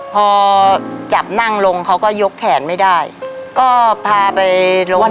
พอจับนั่งลงเขาก็ยกแขนไม่ได้ก็พาไปรถ